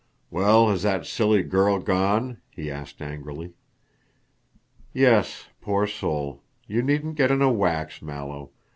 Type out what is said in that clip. "Well, has that silly girl gone?" he asked angrily. "Yes, poor soul. You needn't get in a wax, Mallow.